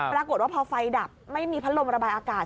ปรากฏว่าพอไฟดับไม่มีพัดลมระบายอากาศ